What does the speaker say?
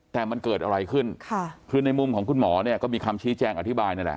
แต่มันเกิดอะไรขึ้นค่ะคือในมุมของคุณหมอเนี่ยก็มีคำชี้แจงอธิบายนั่นแหละ